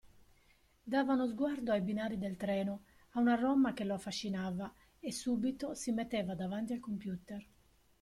Dava uno sguardo ai binari del treno, a una Roma che lo affascinava, e subito si metteva davanti al computer.